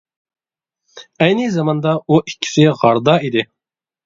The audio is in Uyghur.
ئەينى زاماندا ئۇ ئىككىسى غاردا ئىدى.